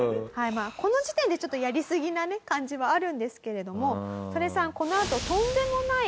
この時点でちょっとやりすぎな感じはあるんですけれどもソネさん